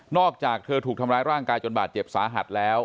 อกจากเธอถูกทำร้ายร่างกายจนบาดเจ็บสาหัสแล้ว